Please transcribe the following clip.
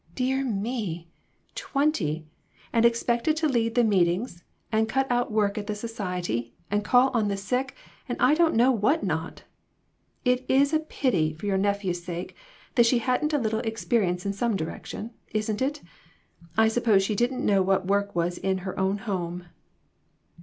Dear me ! Twenty, and expected to lead the meetings, and cut out work at the society, and call on the sick, and I don't know what not ! It is a pity, for your nephew's sake, that she hadn't had a little experience in some direction, isn't it ? I suppose she didn't know what work was in her own home."